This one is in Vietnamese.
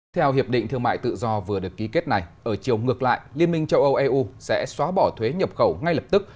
theo hiệp định thương mại tự do vừa được ký kết này ở chiều ngược lại liên minh châu âu eu sẽ xóa bỏ thuế nhập khẩu ngay lập tức